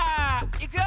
いくよ！